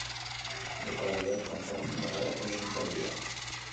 Jokalari bat kanporatzeko arauak oso sinpleak dira.